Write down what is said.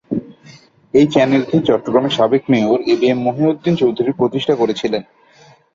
এই চ্যানেলটি চট্টগ্রামের সাবেক মেয়র এবিএম মহিউদ্দিন চৌধুরী প্রতিষ্ঠা করেছিলেন।